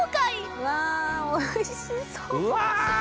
うわおいしそう。